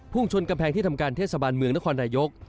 ชนกำแพงที่ทำการเทศบาลเมืองนครนายก